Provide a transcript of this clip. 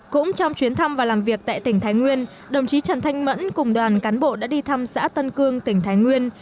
cũng trong chuyến thăm và làm việc tại tỉnh thái nguyên đồng chí trần thanh mẫn cùng đoàn cán bộ đã đi thăm xã tân cương tỉnh thái nguyên